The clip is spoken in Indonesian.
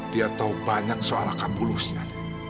dia tahu banyak soal akapulusnya